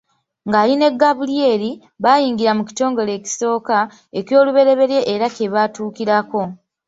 Ng’ali ne Gabulyeri, baayingira mu kitongole ekisooka, ekyoluberyeberye era kye baatuukirako.